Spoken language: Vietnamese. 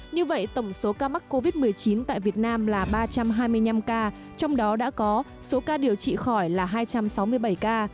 như vậy tổng số ca mắc covid một mươi chín tại việt nam là ba trăm hai mươi năm ca trong đó đã có số ca điều trị khỏi là hai trăm sáu mươi bảy ca